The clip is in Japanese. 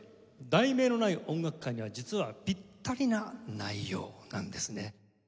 『題名のない音楽会』には実はピッタリな内容なんですね。